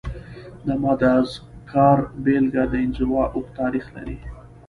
د ماداګاسکار بېلګه د انزوا اوږد تاریخ لري.